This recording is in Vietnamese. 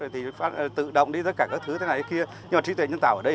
thì tự động đi tất cả các thứ thế này thế kia nhưng mà trí tuệ nhân tạo ở đây